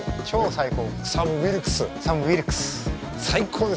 最高。